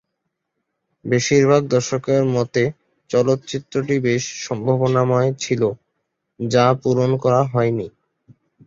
বেশিরভাগ দর্শকের মতে চলচ্চিত্রটি বেশ সম্ভাবনাময় ছিল, যা পূরণ করা হয়নি।